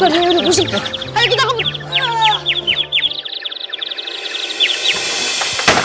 aduh udah udah